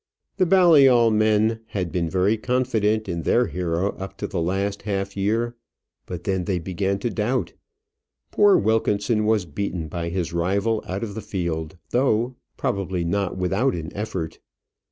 The Balliol men had been very confident in their hero up to the last half year; but then they began to doubt. Poor Wilkinson was beaten by his rival out of the field, though, probably, not without an effort.